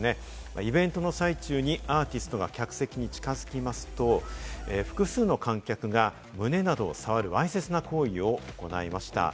イベントの最中にアーティストが客席に近づきますと、複数の観客が胸などを触るわいせつな行為を行いました。